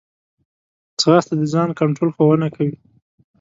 ځغاسته د ځان کنټرول ښوونه کوي